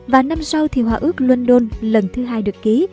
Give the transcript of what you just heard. và năm sau thì hòa ước london lần thứ hai được ký